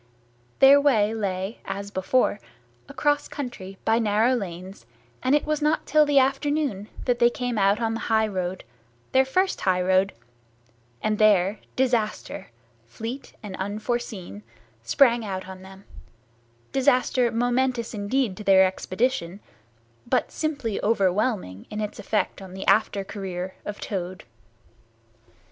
Their way lay, as before, across country by narrow lanes, and it was not till the afternoon that they came out on the high road, their first high road; and there disaster, fleet and unforeseen, sprang out on them—disaster momentous indeed to their expedition, but simply overwhelming in its effect on the after career of Toad.